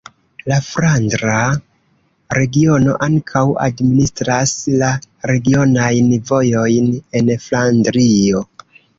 La Flandra Regiono ankaŭ administras la regionajn vojojn en Flandrio.